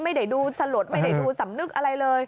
ไม่ได้ดูสลดไม่ได้ดูสำนึกอะไรเลย